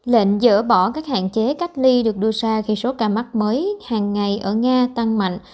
lệnh dỡ bỏ các hạn chế cách ly được đưa ra khi số ca mắc mới hàng ngày ở nga tăng mạnh